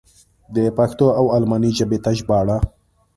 د پښتو و الماني ژبې ته ژباړه.